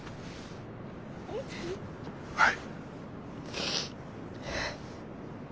はい。